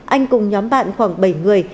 anh cùng nhóm bạn khoảng bảy người